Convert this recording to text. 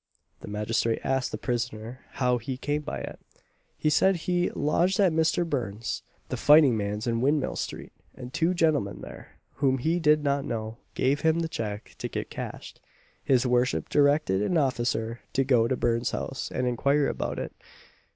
The magistrate asked the prisoner how he came by it. He said he lodged at Mister Burn's, the fighting man's, in Windmill street, and two gentlemen there, whom he did not know, gave him the cheque to get cashed. His worship directed an officer to go to Burn's house and inquire about it.